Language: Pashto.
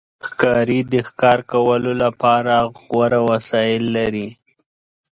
ښکاري د ښکار کولو لپاره غوره وسایل لري.